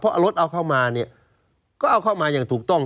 เพราะรถเอาเข้ามาเนี่ยก็เอาเข้ามาอย่างถูกต้อง